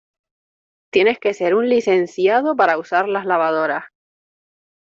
tienes que ser un licenciado para usar las lavadoras.